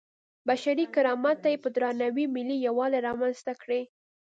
بشري کرامت ته یې په درناوي ملي یووالی رامنځته کړی.